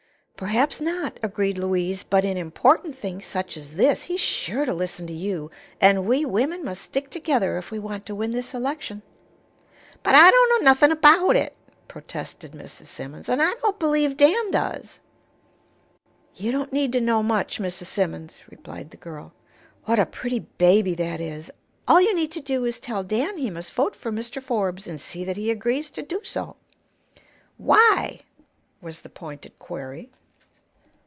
"Perhaps not," agreed Louise; "but in important things, such as this, he's sure to listen to you; and we women must stick together if we want to win this election." "But I don't know nothin' about it," protested Mrs. Simmons; "an' I don't believe Dan does." "You don't need to know much, Mrs. Simmons," replied the girl. "What a pretty baby that is! All you need do is to tell Dan he must vote for Mr. Forbes, and see that he agrees to do so." "Why?" was the pointed query.